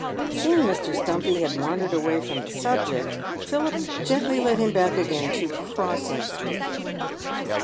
Seeing Mr. Stumpy had wandered away from the subject, Philip gently led him back again to crossing sweeping.